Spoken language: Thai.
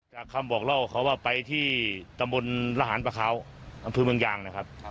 คำบอกเล่าเขาว่าไปที่ตำบลระหารประเขาอำเภอเมืองยางนะครับ